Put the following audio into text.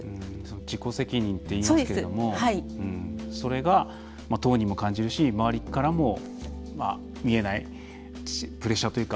自己責任といいますけどもそれが、当人も感じるし周りからも見えないプレッシャーというか。